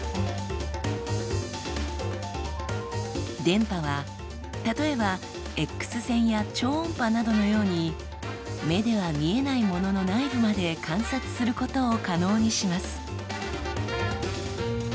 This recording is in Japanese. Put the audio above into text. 電波は例えばＸ線や超音波などのように目では見えないものの内部まで観察することを可能にします。